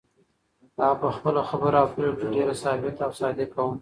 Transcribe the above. هغه په خپله خبره او پرېکړه کې ډېره ثابته او صادقه وه.